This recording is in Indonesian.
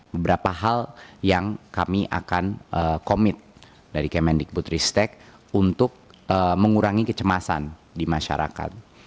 beberapa hal yang kami akan komit dari kemendikbud ristek untuk mengurangi kecemasan di masyarakat